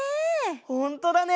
ほんとだね！